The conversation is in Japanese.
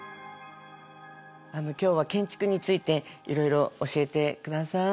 今日は建築についていろいろ教えてください。